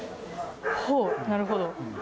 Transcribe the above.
ほぉ、なるほど。